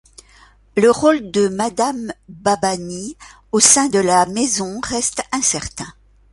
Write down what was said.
Le rôle de Madame Babani au sein de la maison reste incertain.